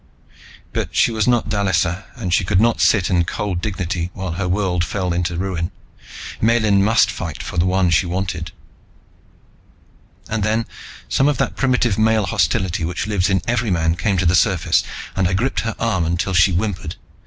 But she was not Dallisa and she could not sit in cold dignity while her world fell into ruin. Miellyn must fight for the one she wanted. And then some of that primitive male hostility which lives in every man came to the surface, and I gripped her arm until she whimpered.